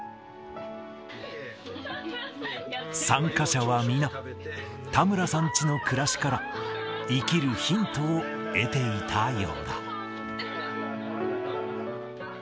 参加者は皆、田村さんチの暮らしから生きるヒントを得ていたようだ。